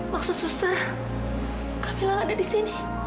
maksud suster kamila gak ada di sini